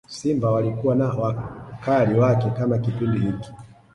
simba walikuwa na wakali wake kama Kipindi hiki